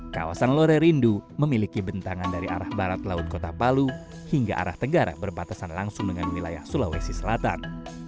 kawasan lorerindu memiliki bentangan dari arah barat laut kota palu hingga arah tenggara berbatasan langsung dengan wilayah sulawesi selatan